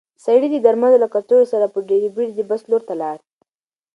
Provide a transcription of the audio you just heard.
سړی د درملو له کڅوړې سره په ډېرې بیړې د بس لور ته لاړ.